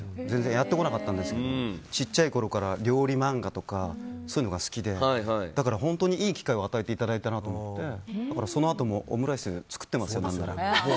やってこなかったんですけど小さいころから料理漫画とか好きで本当にいい機会を与えていただいたなと思ってそのあともオムライス作ってますよ。